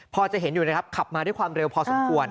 พอจะเห็นอยู่นะครับขับมาด้วยความเร็วพอสมควร